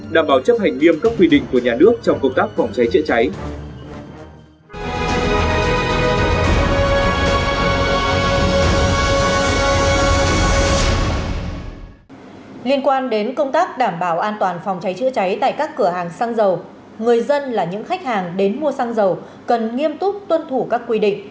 đảm bảo chấp hành nghiêm cấp quy định của nhà nước trong công tác phòng cháy chữa cháy